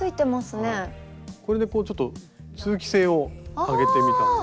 これでこうちょっと通気性を上げてみたんですけど。